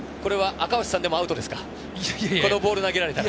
赤星さんでもアウトですか？